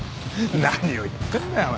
何を言ってんだよお前。